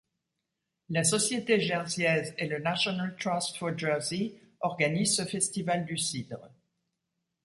La Société Jersiaise et le National Trust for Jersey organisent ce festival du cidre.